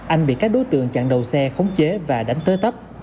anh bị các đối tượng chặn đầu xe khống chế và đánh tới tấp